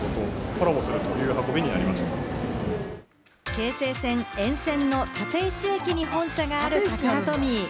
京成線沿線の立石駅に本社があるタカラトミー。